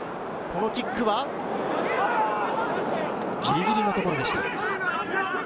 このキックはギリギリのところでした。